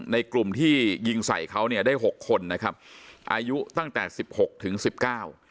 ในกลุ่มที่ยิงใส่เขาเนี่ยได้หกคนนะครับอายุตั้งแต่สิบหกถึงสิบเก้า